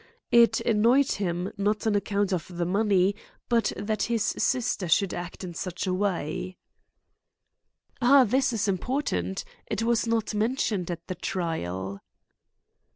It annoyed him, not on account of the money, but that his sister should act in such a way," "Ah, this is important! It was not mentioned at the trial."